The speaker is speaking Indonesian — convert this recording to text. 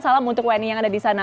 salam untuk wni yang ada di sana